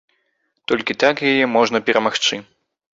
Толькі так яе можна перамагчы.